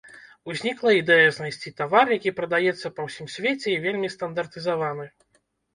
Узнікла ідэя знайсці тавар, які прадаецца па ўсім свеце і вельмі стандартызаваны.